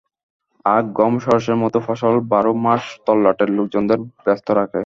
আখ, গম, সরষের মতো ফসল বারো মাস তল্লাটের লোকজনদের ব্যস্ত রাখে।